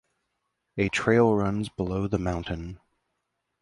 A trail runs below the mountain.